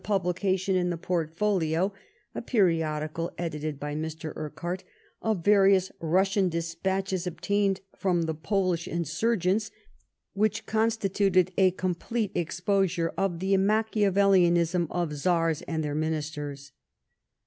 publioation in the Portfolio^ a periodioal edited by Mr. Urqabarty of various Bnssian despatches obtained from tbe Polish insurgents, which constituted a complete exposure of the Machiavellism of Czars and their ministers.